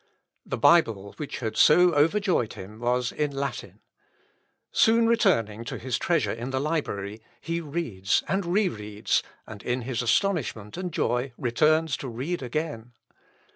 The Bible which had so overjoyed him was in Latin. Soon returning to his treasure in the library, he reads and re reads, and in his astonishment and joy returns to read again.